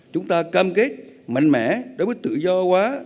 chúng ta cam kết mạnh mẽ đối với tự do hóa